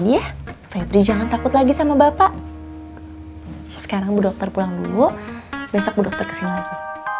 ya febri jangan takut lagi sama bapak sekarang bu dokter pulang dulu besok berdokter kesini lagi